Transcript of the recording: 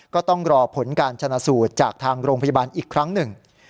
ก็ต้องรอผลการชนะสูตรจากทางโรงพยาบาลอีกครั้งหนึ่ง